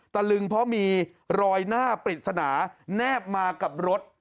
ตะลึงเพราะมีรอยหน้าปริศนาแนบมากับรถ